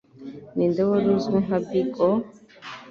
Ninde wari uzwi nka Big O?